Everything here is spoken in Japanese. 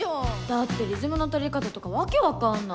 だってリズムの取り方とか訳分かんない。